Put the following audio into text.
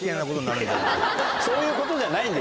そういうことじゃないんだよ